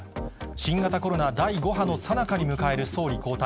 新型コロナ第５波のさなかに迎える総理交代。